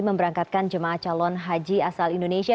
memberangkatkan jemaah calon haji asal indonesia